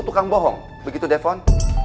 tukang bohong begitu devon